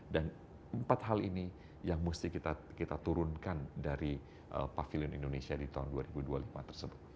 dan empat hal ini yang mesti kita turunkan dari pavilion indonesia di tahun dua ribu dua puluh lima tersebut